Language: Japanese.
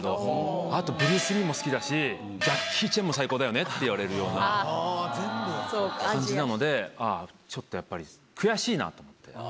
「あとブルース・リーも好きだしジャッキー・チェンも最高だよね」って言われるような感じなのでちょっとやっぱり悔しいなと思って。